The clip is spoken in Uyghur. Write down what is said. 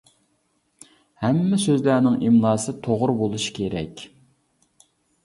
ھەممە سۆزلەرنىڭ ئىملاسى توغرا بولۇشى كېرەك.